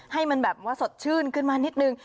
ให้มันแบบว่าสดชื่นขึ้นมานิดนึง